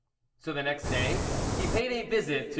So the next day he paid a visit to M.